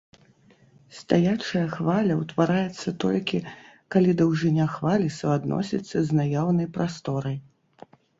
Стаячая хваля ўтвараецца толькі, калі даўжыня хвалі суадносіцца з наяўнай прасторай.